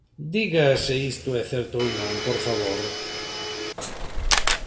Diga se isto é certo ou non, por favor.